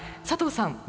佐藤さん